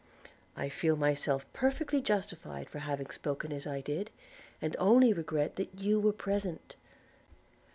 I feel myself perfectly justified for having spoken as I did, and only regret that you were present.